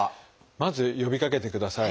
まず呼びかけてください。